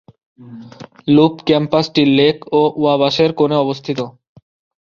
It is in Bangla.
লুপ ক্যাম্পাসটি লেক এবং ওয়াবাশের কোণে অবস্থিত।